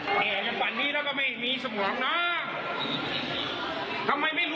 แปลก